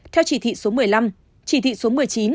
theo chỉ thị số một mươi năm chỉ thị số một mươi chín